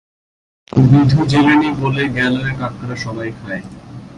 বিধু জেলেনি বলে গেল এ কাঁকড়া সবাই খায়।